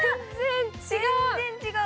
全然違う。